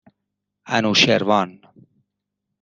اَنوشروان